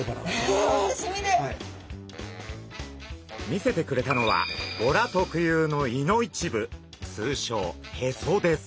見せてくれたのはボラ特有の胃の一部つうしょうヘソです。